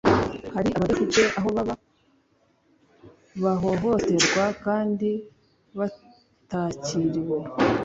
hariabadafite aho baba, bahohoterwa kandi batakiriwe